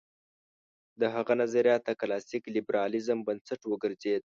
د هغه نظریات د کلاسیک لېبرالېزم بنسټ وګرځېد.